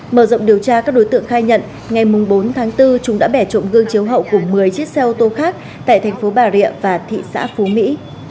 mở rộng điều tra các đối tượng khai nhận ngày bốn tháng bốn chúng đã bẻ trộm gương chiếu hậu của một mươi chiếc xe ô tô khác tại thành phố bà rịa và thị xã phú mỹ